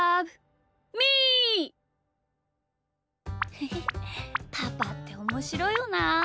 へへパパっておもしろいよなあ。